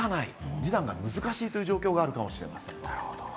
示談が難しいという状況があるかもしれません。